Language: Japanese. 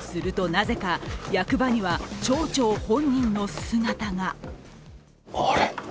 すると、なぜか役場には町長本人の姿があれ？